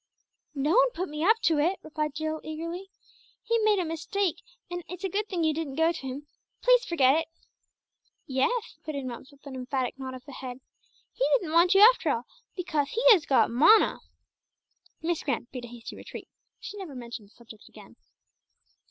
"No one put me up to it," replied Jill eagerly. "I made a mistake, and it's a good thing you didn't go to him. Please forget it." "Yeth," put in Bumps with an emphatic nod of the head, "he didn't want you after all, becauth he has got Mona." Miss Grant beat a hasty retreat. She never mentioned the subject again.